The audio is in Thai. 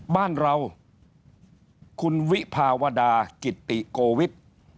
บ้านเราคุณวิภาวดากิตติโกวิทย์